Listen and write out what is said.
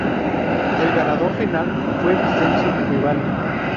El ganador final fue Vincenzo Nibali.